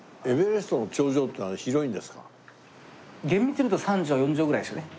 厳密に言うと３畳４畳ぐらいですよね。